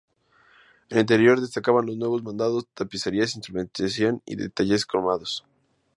En el interior, destacaban los nuevos mandos, tapicerías, instrumentación y detalles cromados.